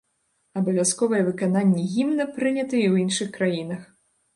Абавязковае выкананне гімна прынята і ў іншых краінах.